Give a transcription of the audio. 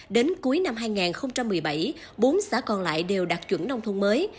đến cuối năm hai nghìn một mươi bảy bốn xã còn lại đều đạt chuẩn nông thôn mới